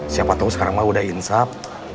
siapa tau sekarang mah udah insap